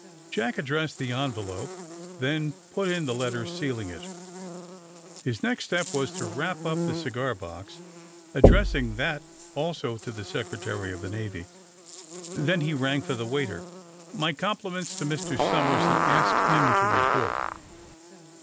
Jack addressed the envelope, then put in the let ter, sealing it. His next step was to wrap up the cigar box, addressing that also to the Secretary of the Navy. Then he rang for the waiter. *^My compliments to Mr. Somers, and ask him to report.'